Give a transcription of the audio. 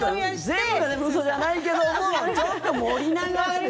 全部が嘘じゃないけどもちょっと盛りながらですよね。